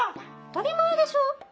当たり前でしょ！